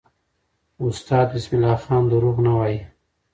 استاد بسم الله خان دروغ نه وایي.